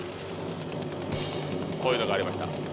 こういうのがありました。